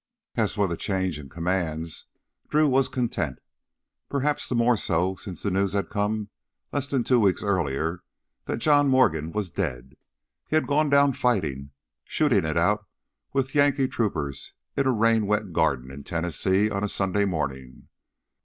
As for the change in commands, Drew was content. Perhaps the more so since the news had come less than two weeks earlier that John Morgan was dead. He had gone down fighting, shooting it out with Yankee troopers in a rain wet garden in Tennessee on a Sunday morning.